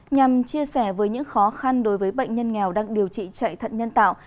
nhằm chia sẻ với những khó khăn đối với bệnh nhân nghèo đang điều trị chạy thận nhân tạo